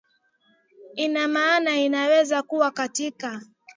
ina maana inaweza kuwa katika